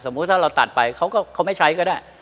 ถ้าเราตัดไปเขาก็ไม่ใช้ก็ได้